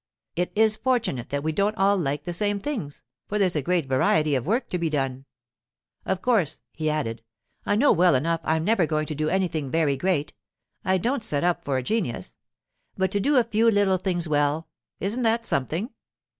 It is fortunate that we don't all like the same things, for there's a great variety of work to be done. Of course,' he added, 'I know well enough I'm never going to do anything very great; I don't set up for a genius. But to do a few little things well—isn't that something?